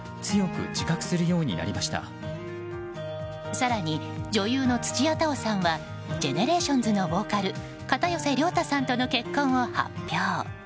更に女優の土屋太鳳さんはＧＥＮＥＲＡＴＩＯＮＳのボーカル片寄涼太さんとの結婚を発表。